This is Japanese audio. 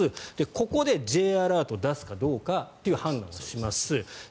ここでＪアラートを出すかどうかという判断をします。